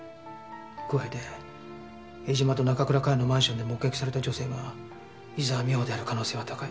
加えて江島と中倉佳世のマンションで目撃された女性が伊沢美穂である可能性は高い。